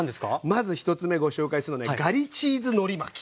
まず１つ目ご紹介するのねガリチーズのり巻き。